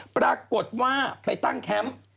ปรากฏว่าไปตั้งแคมป์